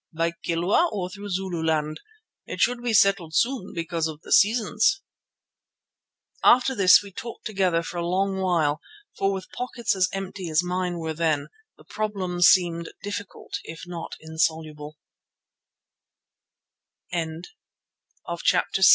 By Kilwa or through Zululand? It should be settled soon because of the seasons." After this we talked together for a long while, for with pockets as empty as mine were then, the problem seemed difficult, if